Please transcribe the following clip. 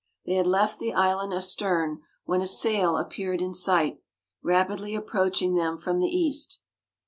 They had left the island astern when a sail appeared in sight, rapidly approaching them from the east.